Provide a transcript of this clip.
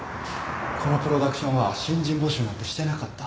このプロダクションは新人募集なんてしてなかった。